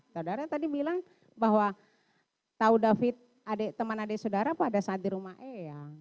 saudara tadi bilang bahwa tahu david teman adik saudara pada saat di rumah eyang